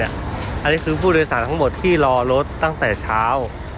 อันนี้คือผู้โดยสารทั้งหมดที่รอรถตั้งแต่เช้า